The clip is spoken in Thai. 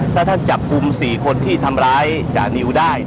ถ้าท่านจับคุมสี่คนที่ทำร้ายจานิ้วได้เนี่ยค่ะ